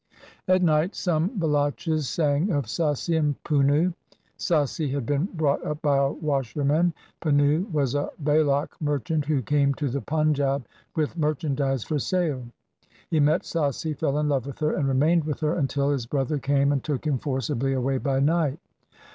At night some Baloches sang of Sassi and Punnu. Sassi had been brought up by a washerman. Punnu was a Baloch merchant who came to the Panjab with merchandise for sale. He met Sassi, fell in love with her, and remained with her, until his brother came and took him forcibly away by night.